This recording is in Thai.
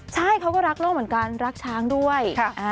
ใช่เขาก็รักโลกเหมือนกันรักช้างด้วย